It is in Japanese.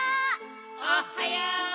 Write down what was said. おはよう！